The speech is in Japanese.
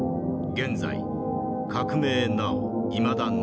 現在革命なおいまだ成らず。